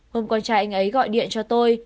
hôm con trai anh ấy gọi điện cho tôi